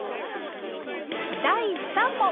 第３問。